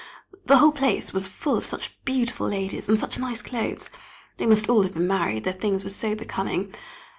The whole place was full of such beautiful ladies, and such nice clothes. They must all have been married, their things were so becoming.